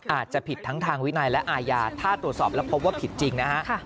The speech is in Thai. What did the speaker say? อาจจะผิดทั้งทางวินัยและอาญาถ้าตรวจสอบแล้วพบว่าผิดจริงนะฮะ